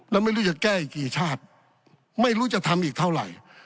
แล้วไม่รู้จะแก้อีกกี่ชาติไม่รู้จะทำอีกเท่าไหร่